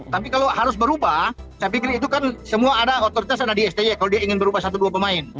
tapi kalau harus berubah saya pikir itu kan semua ada otoritas ada di sti kalau dia ingin berubah satu dua pemain